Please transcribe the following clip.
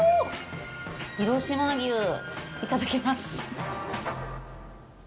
広島牛、いただきます。